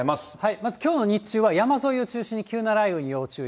まずきょうの日中は山沿いを中心に急な雷雨に要注意。